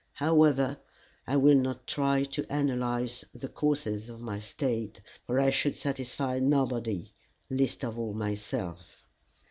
However, I will not try to analyze the causes of my state, for I should satisfy nobody, least of all myself.